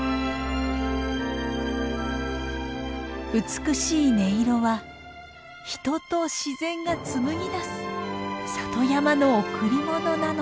美しい音色は人と自然が紡ぎ出す里山の贈り物なのです。